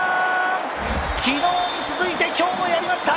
昨日に続いて今日もやりました。